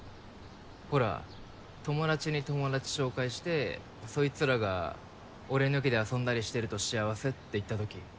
ほら友達に友達紹介してそいつらが俺抜きで遊んだりしてると幸せって言ったとき。